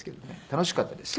楽しかったです。